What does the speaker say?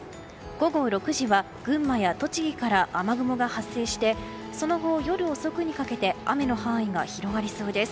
午後６時は群馬や栃木から雨雲が発生してその後、夜遅くにかけて雨の範囲が広がりそうです。